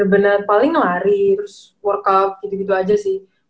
bener paling lari terus workout gitu gitu aja sih